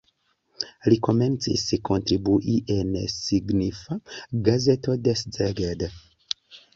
Li komencis kontribui en signifa gazeto de Szeged.